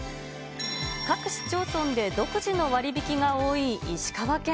各市町村で独自の割引が多い石川県。